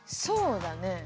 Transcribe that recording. そうだね。